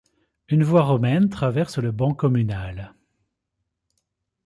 Une voie romaine traverse le ban communal.